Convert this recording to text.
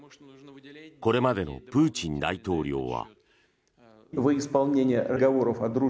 これまでのプーチン大統領は。